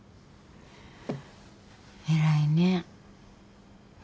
偉いね。